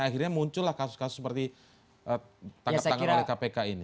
akhirnya muncul lah kasus kasus seperti tanggap tanggap oleh kpk ini